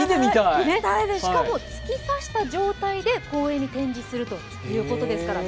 しかも突き刺した状態で公園に展示するとういことです。